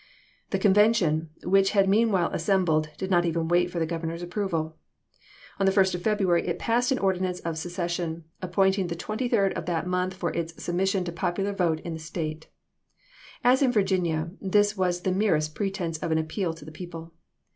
The convention, which had mean i", p. 511. ' while assembled, did not even wait for the Gov ernor's approval. On the 1st of February it passed an ordinance of secession, appointing the 23d of that month for its submission to popular vote in the State. As in Virginia, this was the merest pretense of an appeal to the people.